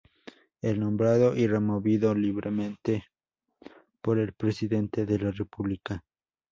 Es nombrado y removido libremente por el Presidente de la República.